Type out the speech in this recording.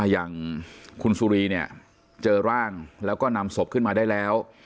อย่างคุณสุรีเนี่ยเจอร่างแล้วก็นำศพขึ้นมาได้แล้ว